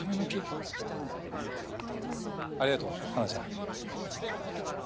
ありがとう葉奈ちゃん。